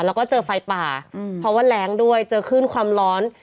แล้วก็เจอไฟป่าเพราะว่าแรงด้วยเจอคลื่นความร้อน